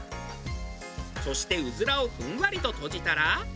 そしてうずらをふんわりととじたら。